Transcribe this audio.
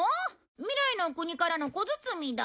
未来の国からの小包だ。